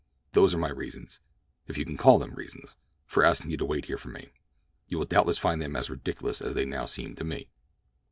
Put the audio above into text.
Those are my reasons, if you can call them reasons, for asking you to wait here for me. You will doubtless find them as ridiculous as they now seem to me."